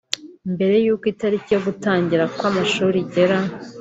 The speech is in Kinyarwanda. mbere yuko itariki yo gutangira kw’amashuri igera